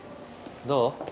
どう？